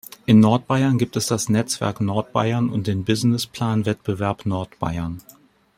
In Nordbayern gibt es das netzwerk nordbayern und den Businessplan Wettbewerb Nordbayern.